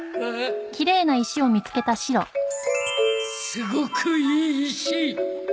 すごくいい石。